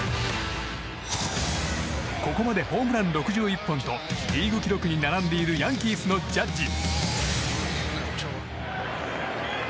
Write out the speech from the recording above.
ここまでホームラン６１本とリーグ記録に並んでいるヤンキースのジャッジ。